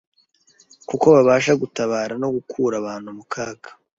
kuko babasha gutabara no gukura abantu mukaga